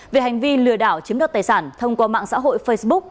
về hành vi lừa đảo chiếm đoạt tài sản thông qua mạng xã hội facebook